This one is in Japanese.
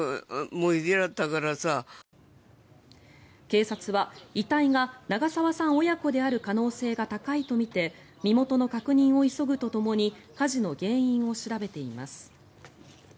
警察は、遺体が長沢さん親子である可能性が高いとみて身元の確認を急ぐとともに火事の原因を調べています。